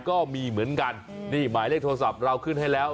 ก็มีเหมือนกันนี่หมายเลขโทรศัพท์เราขึ้นให้แล้ว